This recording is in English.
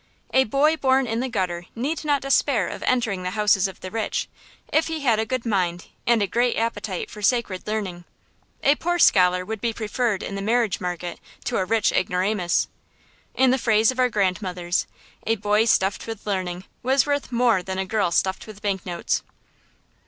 A boy born in the gutter need not despair of entering the houses of the rich, if he had a good mind and a great appetite for sacred learning. A poor scholar would be preferred in the marriage market to a rich ignoramus. In the phrase of our grandmothers, a boy stuffed with learning was worth more than a girl stuffed with bank notes.